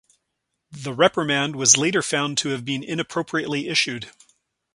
The reprimand was later found to have been inappropriately issued.